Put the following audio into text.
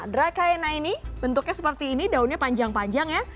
dracaena ini bentuknya seperti ini daunnya panjang panjang ya